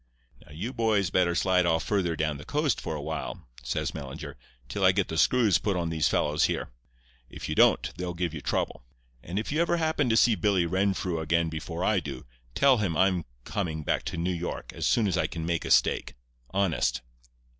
"'Now you boys better slide off further down the coast for a while,' says Mellinger, 'till I get the screws put on these fellows here. If you don't they'll give you trouble. And if you ever happen to see Billy Renfrew again before I do, tell him I'm coming back to New York as soon as I can make a stake—honest.